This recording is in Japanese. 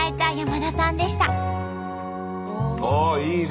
あっいいね。